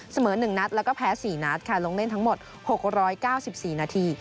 เสมอ๑นัดแล้วก็แพ้๔นัดค่ะลงเล่นทั้งหมด๖๙๔นาที